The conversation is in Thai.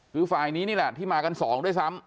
คือฝ่ายนี้นี่แหละที่มากันสองด้วยซ้ำ